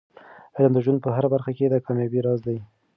علم د ژوند په هره برخه کې د کامیابۍ راز دی.